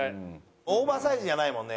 オーバーサイズじゃないもんねやっぱね。